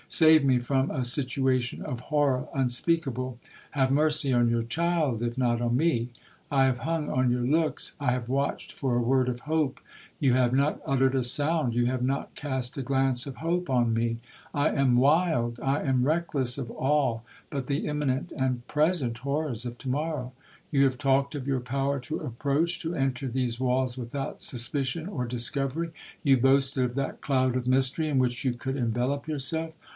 Save me from a situation of horror unspeakable!—have mercy on your child, if not on me! I have hung on your looks,—I have watched for a word of hope—you have not uttered a sound—you have not cast a glance of hope on me! I am wild!—I am reckless of all but the imminent and present horrors of tomorrow—you have talked of your power to approach, to enter these walls without suspicion or discovery—you boasted of that cloud of mystery in which you could envelope yourself.